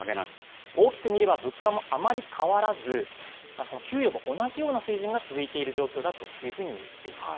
大きく見れば物価もあまり変わらず、給与も同じような水準が続いている状況だというふうにいっています。